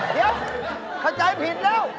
เดี๋ยวเข้าใจผิดแล้ว